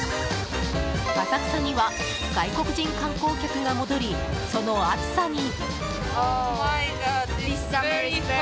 浅草には外国人観光客が戻りその暑さに。